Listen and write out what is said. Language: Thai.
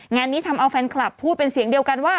งานนี้ทำเอาแฟนคลับพูดเป็นเสียงเดียวกันว่า